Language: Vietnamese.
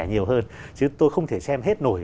nhiều hơn chứ tôi không thể xem hết nổi